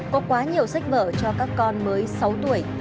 có quá nhiều sách vở cho các con mới sáu tuổi